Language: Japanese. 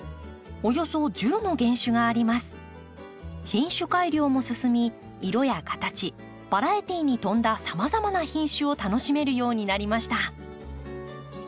品種改良も進み色や形バラエティーに富んださまざまな品種を楽しめるようになりました。